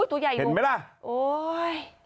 โอ้โหตัวใหญ่อยู่